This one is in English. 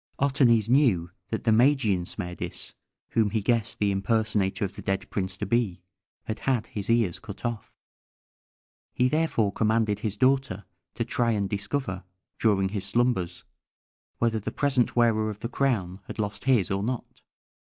Otanes knew that the Magian Smerdis, whom he guessed the impersonator of the dead prince to be, had had his ears cut off. He therefore commanded his daughter to try and discover, during his slumbers, whether the present wearer of the crown had lost his or not.